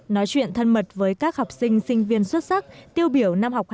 nói chuyện thân mật với các học sinh sinh viên xuất sắc tiêu biểu năm học hai nghìn